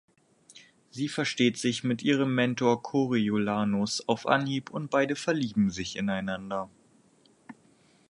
Sie versteht sich mit ihrem Mentor Coriolanus auf Anhieb und beide verlieben sich ineinander.